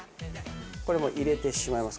これも入れてしまいます。